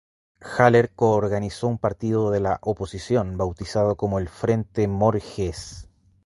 Haller co-organizó un partido de la oposición, bautizado como el ""Frente Morges"".